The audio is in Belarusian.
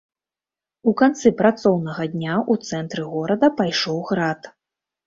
У канцы працоўнага дня у цэнтры горада пайшоў град.